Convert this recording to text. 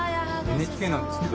ＮＨＫなんですけど。